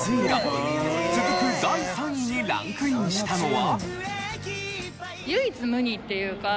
続く第３位にランクインしたのは。